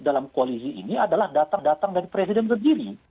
dalam koalisi ini adalah datang datang dari presiden sendiri